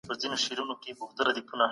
مجلس څنګه وده کړي ده؟